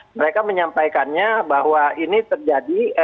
mereka menyampaikannya bahwa ini terjadi